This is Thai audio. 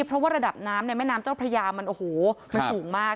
เพราะว่าระดับน้ำในแม่น้ำเจ้าพระยามันโอ้โหมันสูงมาก